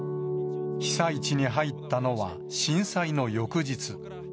被災地に入ったのは、震災の翌日。